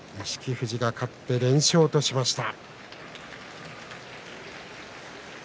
富士が勝って連勝としました。